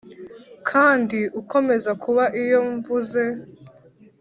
kandi ukomeza kuba iyo mvuze,